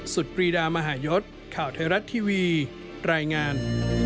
ปรีดามหายศข่าวไทยรัฐทีวีรายงาน